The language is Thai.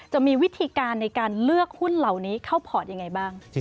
จะมีวิธีการในการเลือกหุ้นเหล่านี้เข้าพอร์ตยังไงบ้าง